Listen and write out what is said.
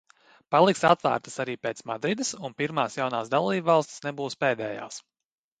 Paliks atvērtas arī pēc Madrides, un pirmās jaunās dalībvalstis nebūs pēdējās.